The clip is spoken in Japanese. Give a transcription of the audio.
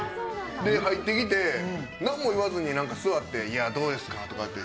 入ってきて何も言わずに座ってどうですか？とか。